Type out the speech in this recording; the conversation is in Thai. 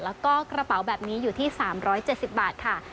แล้วก็กระเป๋าแบบนี้อยู่ที่๓๗๐บาทค่ะ